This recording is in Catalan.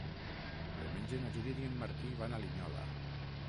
Diumenge na Judit i en Martí van a Linyola.